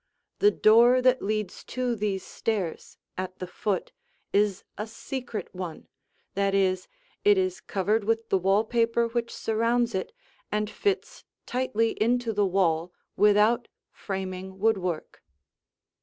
The door that leads to these stairs, at the foot, is a "secret" one; that is, it is covered with the wall paper which surrounds it and fits tightly into the wall without framing woodwork.